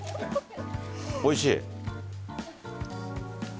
おいしい？